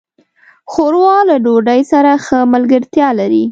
ښوروا له ډوډۍ سره ښه ملګرتیا لري.